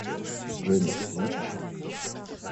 – Женя, ты плачешь?